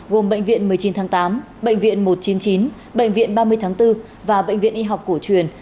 gồm bệnh viện một mươi chín tháng tám bệnh viện một trăm chín mươi chín bệnh viện ba mươi tháng bốn và bệnh viện y học cổ truyền